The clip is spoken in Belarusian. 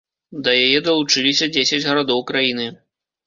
Да яе далучыліся дзесяць гарадоў краіны.